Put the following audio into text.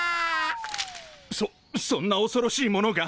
そそんなおそろしいものが？